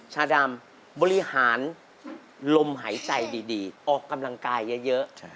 ชาดำบริหารลมหายใจดีออกกำลังกายเยอะ